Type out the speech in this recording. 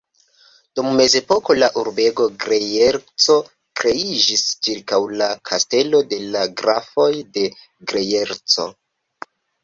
Dum mezepoko la urbeto Grejerco kreiĝis ĉirkaŭ la kastelo de la Grafoj de Grejerco.